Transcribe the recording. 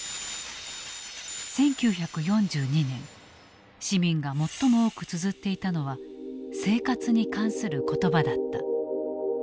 １９４２年市民が最も多くつづっていたのは生活に関する言葉だった。